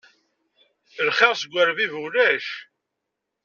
Lxiṛ seg urbib ulac.